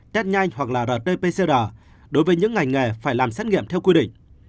test nhanh hoặc rt pcr đối với những ngành nghề phải làm xét nghiệm theo quy định